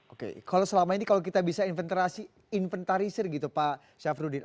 oke kalau selama ini kalau kita bisa inventarisir gitu pak syafruddin